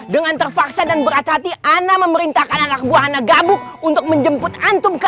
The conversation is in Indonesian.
dengan terfaksa dan berat hati anda memerintahkan anak buah anak gabuk untuk menjemput antum ke